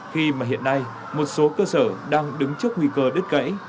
khi mà hiện nay một số cơ sở đang đứng trước nguy cơ đứt gãy